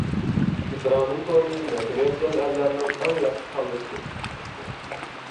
مىسرانىم تورى مەسئۇلىيەتچان ئەرلەرنىڭ ئەڭ ياخشى تاللىشى!